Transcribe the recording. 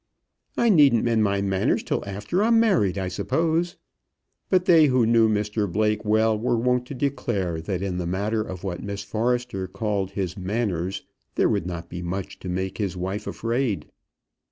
"I needn't mend my manners till after I'm married, I suppose." But they who knew Mr Blake well were wont to declare that in the matter of what Miss Forrester called his manners, there would not be much to make his wife afraid.